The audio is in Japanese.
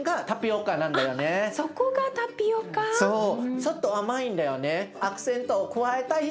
ちょっと甘いんだよね。